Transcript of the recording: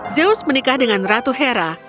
zeus menikah dengan ratu hera